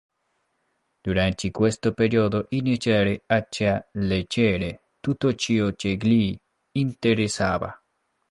Durante questo periodo inizierà anche a leggere tutto ciò che gli interessava.